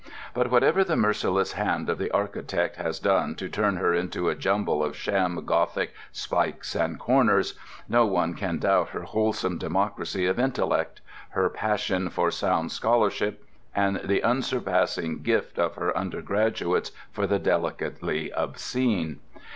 But whatever the merciless hand of the architect has done to turn her into a jumble of sham Gothic spikes and corners, no one can doubt her wholesome democracy of intellect, her passion for sound scholarship, and the unsurpassable gift of her undergraduates for the delicately obscene.